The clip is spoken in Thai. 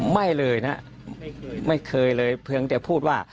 ไม่เลยนะไม่เคยเลยเพียงแต่พูดว่า